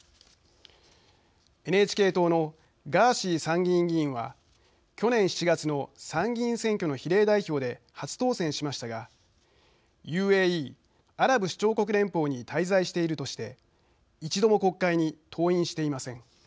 ＮＨＫ党のガーシー参議院議員は去年７月の参議院選挙の比例代表で初当選しましたがＵＡＥ＝アラブ首長国連邦に滞在しているとして１度も国会に登院していません。